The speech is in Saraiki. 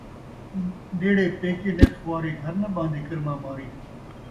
نیڑے پیکے نت خواری ، گھر ناں ٻہن٘دی کرما ماری